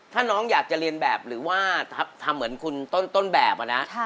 ถ้าน้องอยากจะเรียนแบบหรือว่าทำเหมือนคุณต้นแบบนะ